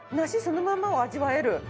梨そのままを味わえる。